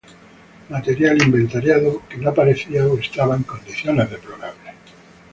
Material inventariado que no aparecía o estaba en condiciones deplorables.